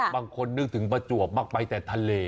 บางคนนึกถึงประจวบมากไปแต่ทะเล